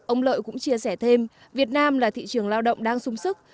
ông lợi cũng chia sẻ thêm việt nam là thị trường lao động đang sung sức